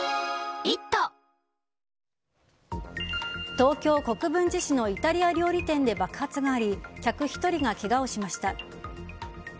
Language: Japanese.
東京・国分寺市のイタリア料理店で爆発があり客１人がけがをしました。